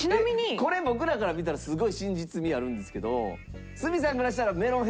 これ僕らから見たらすごい真実味あるんですけど角さんからしたら。